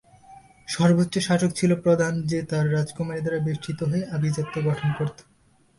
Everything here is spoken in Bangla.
সর্বোচ্চ শাসক ছিল প্রধান যে তার রাজকুমারী দ্বারা বেষ্টিত হয়ে আভিজাত্য গঠন করত।